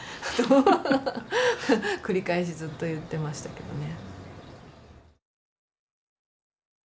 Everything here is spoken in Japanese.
繰り返しずっと言ってましたけどね。